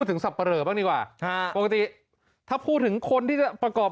ถึงสับปะเหลอบ้างดีกว่าปกติถ้าพูดถึงคนที่จะประกอบ